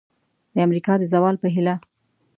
د امریکا د زوال په هیله!